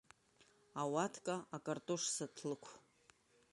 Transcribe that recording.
Ауатка акартош саҭлықә!